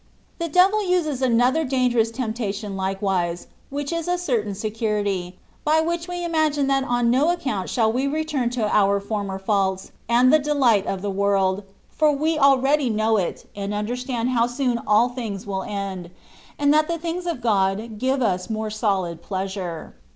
The devil uses another dangerous temptation likewise, which is a certain security, by which we imagine that on no account shall we return to our former faults, and the delight of the world, for we already know it, and understand how sooii 200 THE WAY OF PERFECTION. all things will end, and that the things of God give us more solid pleasure.